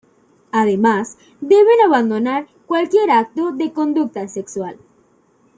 Además, deben abandonar cualquier acto de conducta sexual.